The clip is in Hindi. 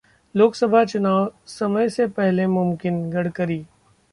लोकसभा चुनाव समय से पहले मुमकिन: गडकरी